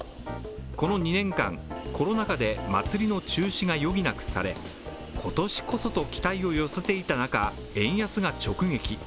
この２年間、コロナ禍で祭りの中止が余儀なくされ今年こそと期待を寄せていた中、円安が直撃。